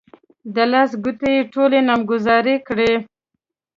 د لاس ګوتې يې ټولې نامګذاري کړې.